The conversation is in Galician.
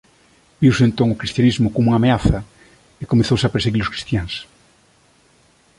Viuse entón o cristianismo como unha ameaza e comezouse a perseguir os cristiáns.